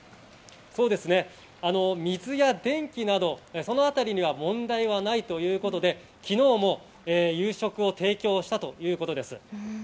水や電気など、そのあたりには問題はないということで昨日も夕食を提供したということです。